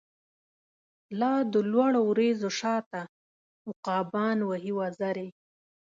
لا د لوړو وریځو شا ته، عقابان وهی وزری